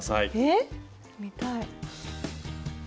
えっ見たい。